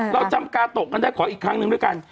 เราจำกาโตะกันได้ขออีกครั้งหนึ่งด้วยกัน